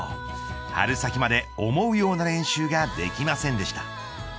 春先まで思うような練習ができませんでした。